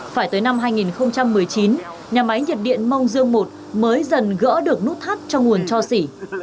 phải tới năm hai nghìn một mươi chín nhà máy nhiệt điện mông dương một mới dần gỡ được nút thắt cho nguồn cho xỉ